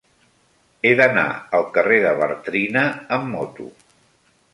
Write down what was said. He d'anar al carrer de Bartrina amb moto.